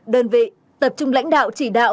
đơn vị tập trung lãnh đạo chỉ đạo